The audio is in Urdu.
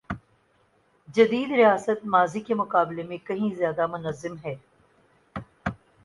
جدید ریاست ماضی کے مقابلے میں کہیں زیادہ منظم ہے۔